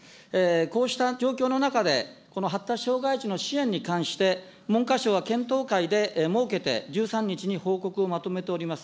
こうした状況の中で、この発達障害児の支援に関して、文科省は検討会で設けて、１３日に報告をまとめております。